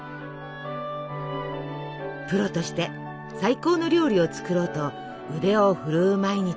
プロとして最高の料理を作ろうと腕を振るう毎日。